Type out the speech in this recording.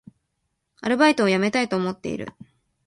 アルバイトを辞めたいと思っている